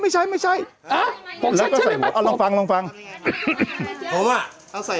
ไม่ใช่ไม่ใช่แล้วก็ใส่หัวเอาลองฟังลองฟังเพราะว่าเอาใส่